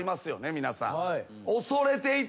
皆さん。